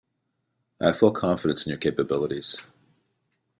I have full confidence in your capabilities.